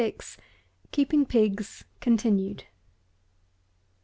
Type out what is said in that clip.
KEEPING PIGS (_continued.